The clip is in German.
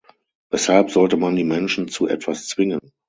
Weshalb sollte man die Menschen zu etwas zwingen?